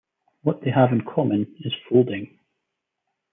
What they have in common is folding.